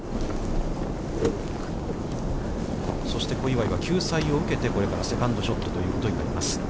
そして小祝は救済を受けて、これからセカンドショットということになります。